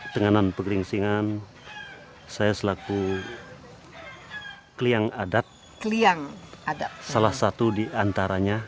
denganan pegeringsingan saya selaku kliang adat salah satu di antaranya